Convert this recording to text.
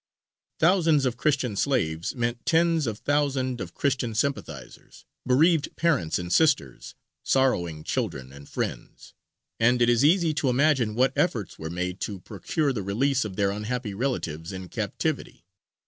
Thousands of Christian slaves meant tens of thousand of Christian sympathisers, bereaved parents and sisters, sorrowing children and friends; and it is easy to imagine what efforts were made to procure the release of their unhappy relatives in captivity.